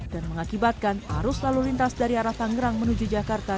dan mengakibatkan arus lalu lintas dari arah tangerang menuju jakarta